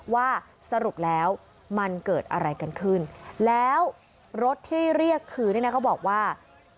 ว่าสรุปแล้วมันเกิดอะไรกันขึ้นแล้วรถที่เรียกคืนเนี่ยนะเขาบอกว่า